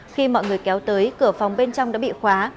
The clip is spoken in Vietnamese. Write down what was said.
khi mọi người kéo tới cửa phòng bên trong đã bị khóa